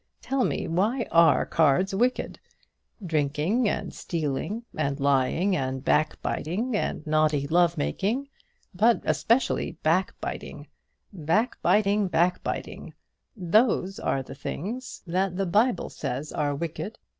Tell me why are cards wicked? Drinking, and stealing, and lying, and backbiting, and naughty love making, but especially backbiting backbiting backbiting, those are the things that the Bible says are wicked.